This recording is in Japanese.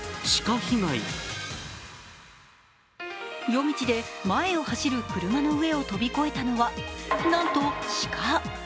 夜道で前を走る車の上を飛び越えたのは、なんと鹿。